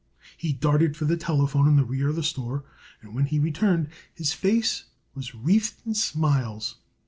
He darted for the telephone in the rear of the store, and when he returned his face was wreathed in smiles.